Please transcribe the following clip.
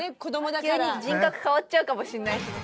急に人格変わっちゃうかもしれないしね。